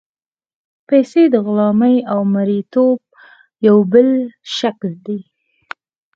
پیسې د غلامۍ او مرییتوب یو بېل شکل دی.